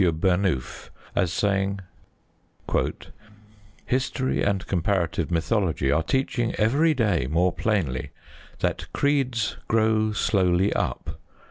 Burnouf as saying: History and comparative mythology are teaching every day more plainly that creeds grow slowly up.